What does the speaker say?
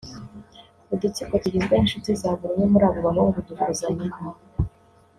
udutsiko tugizwe n’inshuti za buri umwe muri abo bahungu dukozanyaho